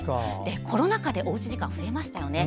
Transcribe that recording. コロナ禍でおうち時間増えましたよね。